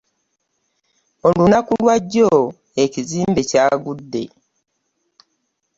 Olunaku lwajjo ekizimbe kyagudde.